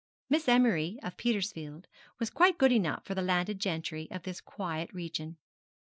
Miss Emery, of Petersfield, was quite good enough for the landed gentry of this quiet region.